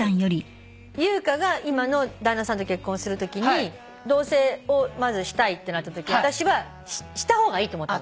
優香が今の旦那さんと結婚するときに同棲をまずしたいってなったとき私はした方がいいって思ったの。